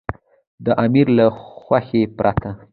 د امیر له خوښې پرته.